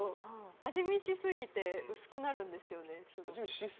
味見しすぎて薄くなるんですよね。